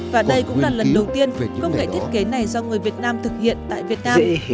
và đây cũng là lần đầu tiên công nghệ thiết kế này do người việt nam thực hiện tại việt nam